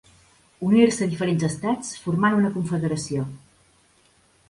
Unir-se diferents estats formant una confederació.